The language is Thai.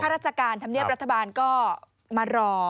ข้าราชการทำเนียบรัฐบาลก็มารอ